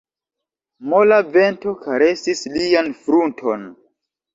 Mola vento karesis lian frunton.